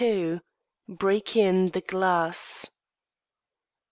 XXII "BREAK IN THE GLASS!"